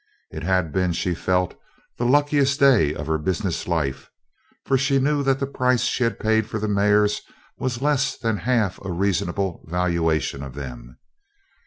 It had been, she felt, the luckiest day of her business life, for she knew that the price she had paid for the mares was less than half a reasonable valuation of them.